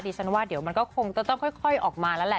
ฉันว่าเดี๋ยวมันก็คงจะต้องค่อยออกมาแล้วแหละ